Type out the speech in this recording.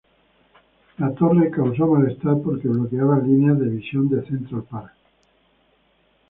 La torre causó malestar, porque bloqueaba líneas de visión de Central Park.